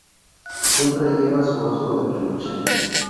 Siempre lleva a su oso de peluche.